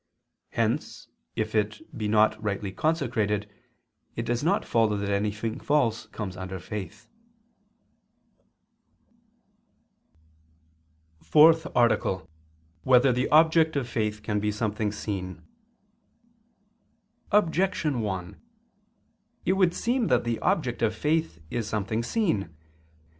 Hence if it be not rightly consecrated, it does not follow that anything false comes under faith. _______________________ FOURTH ARTICLE [II II, Q. 1, Art. 4] Whether the Object of Faith Can Be Something Seen? Objection 1: It would seem that the object of faith is something seen.